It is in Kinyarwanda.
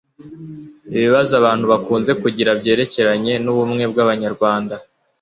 ibibazo abantu bakunze kugira byerekeranye n'ubumwe bw'abanyarwanda